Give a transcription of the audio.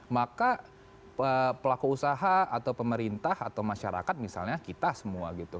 maka pelaku usaha atau pemerintah atau masyarakat misalnya kita semua gitu